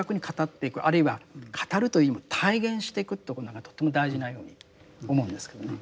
あるいは語るというよりも体現してくということがとても大事なように思うんですけどね。